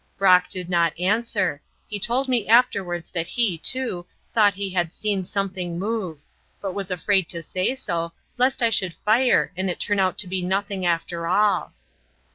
Brock did not answer; he told me afterwards that he, too, thought he had seen something move, but was afraid to say so lest I should fire and it turn out to be nothing after all.